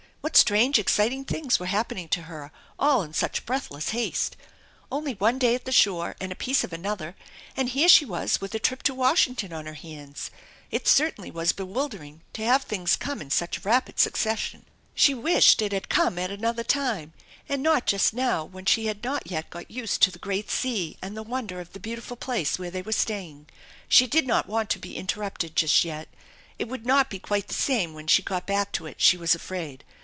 What strange exciting things were happening to her all in such breathless haste ! Only one day at the shore and a piece of another, and here she was with a trip to Washington on her hands ! It certainly was bewilder ing to have things come in such rapid succession. She wished it had come at another time, and not just now when she had not yet got used to the great sea and the wonder of the beautiful place where they were staying. She did not want to be interrupted just yet. It would not be quite the same when she got back to it she was afraid.